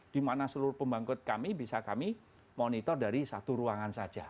di mana seluruh pembangkut kami bisa kami monitor dari satu ruangan saja